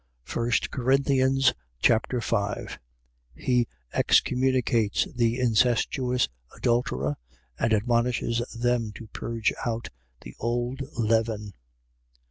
1 Corinthians Chapter 5 He excommunicates the incestuous adulterer and admonishes them to purge out the old leaven.